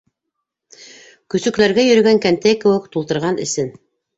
«Көсөкләргә йөрөгән кәнтәй кеүек тултырған эсен».